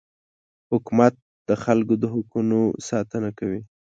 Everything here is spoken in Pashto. حکومت د خلکو د حقونو ساتنه کوي.